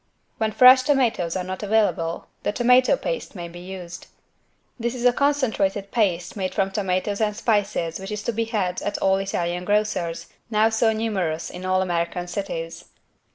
When fresh tomatoes are not available the tomato paste may be used. This is a concentrated paste made from tomatoes and spices which is to be had, at all Italian grocers', now so numerous in all American cities.